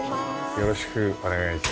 よろしくお願いします。